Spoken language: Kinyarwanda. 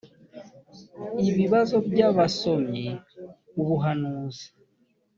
ibibazo by abasomyi ubuhanuzi